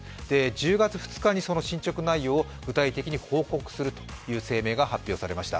１０月２日にその進ちょく内容を具体的に報告するという内容が発表されました。